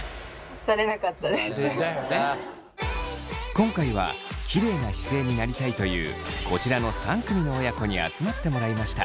今回はきれいな姿勢になりたいというこちらの３組の親子に集まってもらいました。